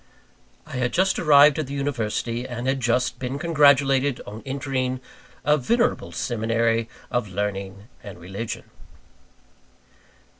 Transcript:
I had just arrived at the University, and had just been congratulated on entering "a venerable seminary of learning and religion."